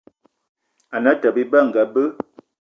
Ane Atёbё Ebe anga be